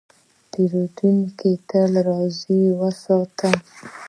پیرودونکی تل راضي وساته.